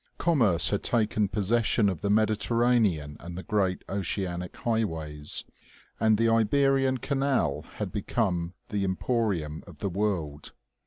Commerce had taken possession of the Mediterranean and the great oceanic highways, and the Iberian canal had become the emporium of the world.